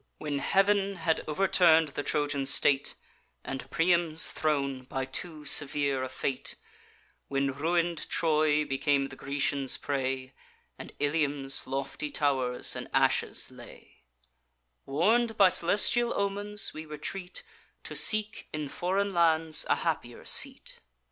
When Heav'n had overturn'd the Trojan state And Priam's throne, by too severe a fate; When ruin'd Troy became the Grecians' prey, And Ilium's lofty tow'rs in ashes lay; Warn'd by celestial omens, we retreat, To seek in foreign lands a happier seat.